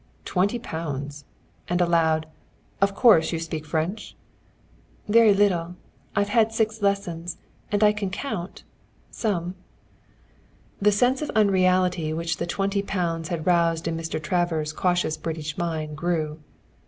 "Twenty pounds!" And aloud: "Of course you speak French?" "Very little. I've had six lessons, and I can count some." The sense of unreality which the twenty pounds had roused in Mr. Travers' cautious British mind grew.